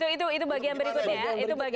itu bagian berikutnya ya